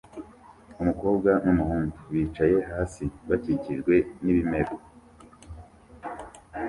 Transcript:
Umukobwa n'umuhungu bicaye hasi bakikijwe n'ibimera